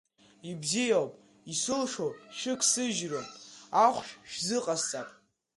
Ибзиоуп, исылшо шәыгсыжьрым, ахәшә шәзыҟасҵап.